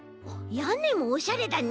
やねもおしゃれだね。